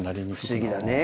不思議だね。